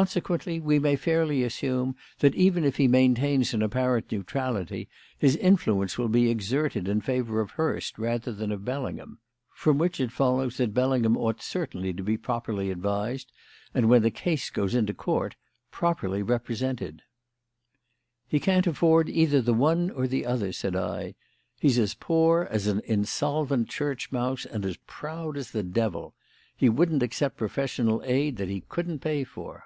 Consequently, we may fairly assume that, even if he maintains an apparent neutrality, his influence will be exerted in favour of Hurst rather than of Bellingham; from which it follows that Bellingham ought certainly to be properly advised, and, when the case goes into Court, properly represented." "He can't afford either the one or the other," said I. "He's as poor as an insolvent church mouse and as proud as the devil. He wouldn't accept professional aid that he couldn't pay for."